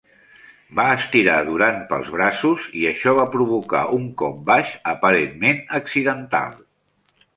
Va estirar Duran pels braços i això va provocar un cop baix aparentment accidental.